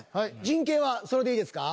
陣形はそれでいいですか？